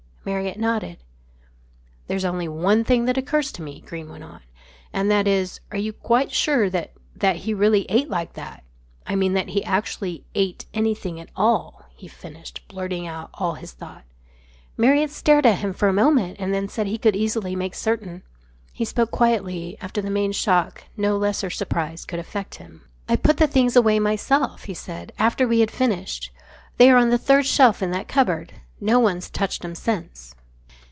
Marriott nodded. "There's only one thing that occurs to me," Greene went on, "and that is, are you quite sure that that he really ate like that I mean that he actually ate anything at all?" he finished, blurting out all his thought. Marriott stared at him for a moment and then said he could easily make certain. He spoke quietly. After the main shock no lesser surprise could affect him. "I put the things away myself," he said, "after we had finished. They are on the third shelf in that cupboard. No one's touched 'em since."